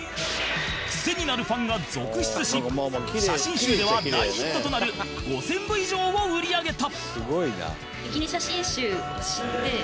クセになるファンが続出し写真集では大ヒットとなる５０００部以上を売り上げた